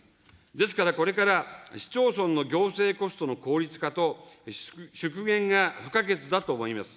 ですからこれから、市町村の行政コストの効率化と縮減が不可欠だと思います。